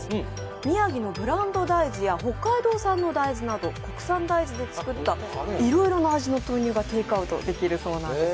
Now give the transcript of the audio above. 宮城のブランド大豆や北海道産の大豆など国産大豆で作ったいろいろの味の豆乳がテイクアウトできるそうです。